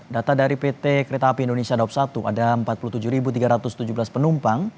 data dari pt kereta api indonesia daup satu ada empat puluh tujuh tiga ratus tujuh belas penumpang